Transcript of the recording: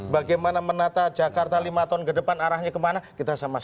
bagaimana menata jakarta lima tahun ke depan arahnya kemana kita sama sama